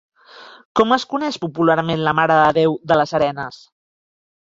Com es coneix popularment la Mare de Déu de les Arenes?